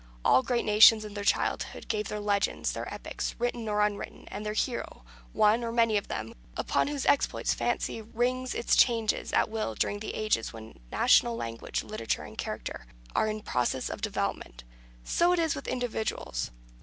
All great nations in their childhood have their legends, their epics, written or unwritten, and their hero, one or many of them, upon whose exploits Fancy rings its changes at will during the ages when national language, literature, and character are in process of development. So it is with individuals.